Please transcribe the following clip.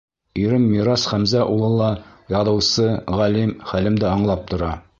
Ирем Мирас Хәмзә улы ла — яҙыусы, ғалим, хәлемде аңлап тора.